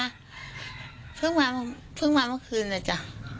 ก็เพิ่งมาเพิ่งมาเมื่อคืนนะจ๊ะ